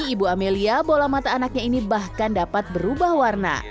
ibu amelia bola mata anaknya ini bahkan dapat berubah warna